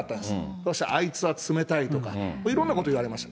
そしたら、あいつは冷たいとか、いろんなことを言われました。